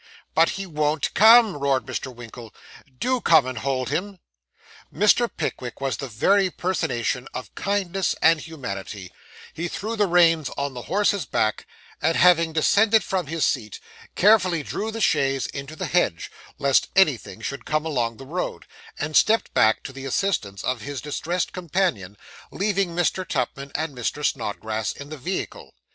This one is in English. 'But he won't come!' roared Mr. Winkle. 'Do come and hold him.' Mr. Pickwick was the very personation of kindness and humanity: he threw the reins on the horse's back, and having descended from his seat, carefully drew the chaise into the hedge, lest anything should come along the road, and stepped back to the assistance of his distressed companion, leaving Mr. Tupman and Mr. Snodgrass in the vehicle.